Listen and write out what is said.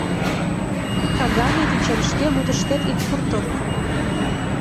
Кагановичым шке мутышкет ит пуртыл.